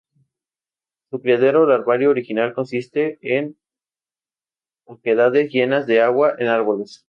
Su criadero larvario original consiste en oquedades llenas de agua en árboles.